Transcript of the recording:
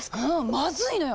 まずいのよ！